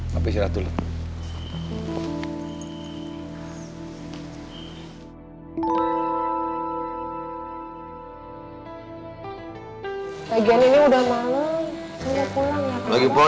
papi silahkan dulu